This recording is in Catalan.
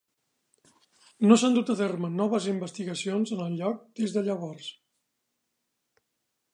No s'han dut a terme noves investigacions en el lloc des de llavors.